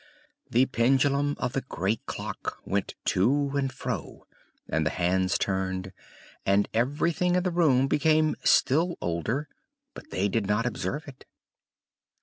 The pendulum of the great clock went to and fro, and the hands turned, and everything in the room became still older; but they did not observe it.